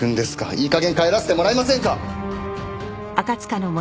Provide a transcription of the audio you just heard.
いい加減帰らせてもらえませんか！？